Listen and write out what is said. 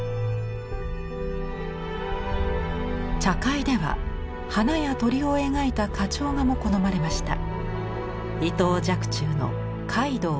茶会では花や鳥を描いた花鳥画も好まれました。